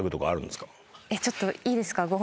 いいですか？